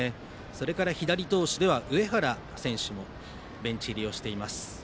左投手では上原選手もベンチ入りしています。